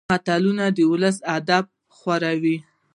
متلونه د ولسي ادبياتو خورا .